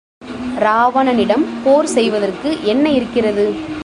இராவணனிடம் போர் செய்வதற்கு என்ன இருக்கிறது?